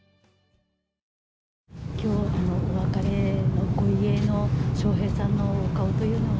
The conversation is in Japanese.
きょうの、お別れのご遺影の笑瓶さんのお顔というのは。